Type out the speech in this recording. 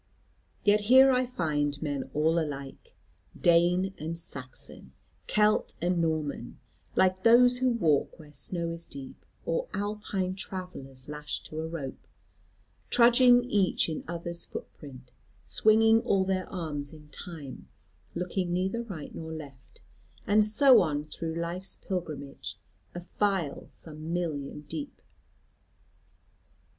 Yet here I find men all alike, Dane and Saxon, Celt and Norman, like those who walk where snow is deep, or Alpine travellers lashed to a rope, trudging each in other's footprint, swinging all their arms in time, looking neither right nor left, and so on through life's pilgrimage, a file some million deep.